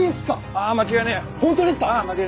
ああ間違いねえ。